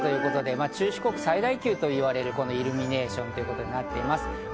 中四国最大級といわれるイルミネーションとなっています。